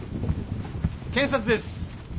検察です。